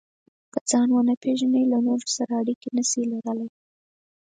که ځان ونه پېژنئ، له نورو سره اړیکې نشئ لرلای.